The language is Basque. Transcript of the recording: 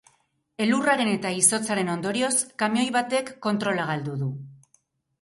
Elurraren eta izotzaren ondorioz kamioi batek kontrola galdu du.